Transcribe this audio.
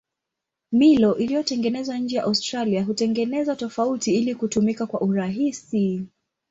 Milo iliyotengenezwa nje ya Australia hutengenezwa tofauti ili kutumika kwa urahisi.